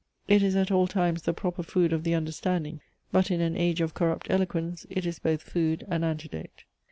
It is at all times the proper food of the understanding; but in an age of corrupt eloquence it is both food and antidote.